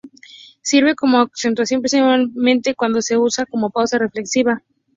Sirve como acentuación, principalmente cuando se usa como pausa reflexiva.